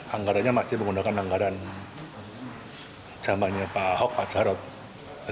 anggarannya masih menggunakan anggaran zamannya pak ahok pak jarod